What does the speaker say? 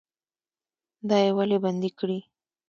دا یې ولې بندي کړي؟